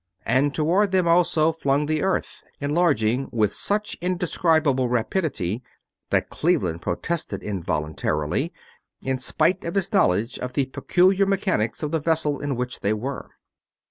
And toward them also flung the Earth, enlarging with such indescribable rapidity that Cleveland protested involuntarily, in spite of his knowledge of the peculiar mechanics of the vessel in which they were.